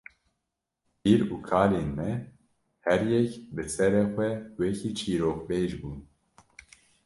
pîr û kalên me her yek bi serê xwe wekî çîrokbêj bûn.